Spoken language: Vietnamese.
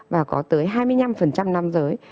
và có tới hai mươi năm nam giới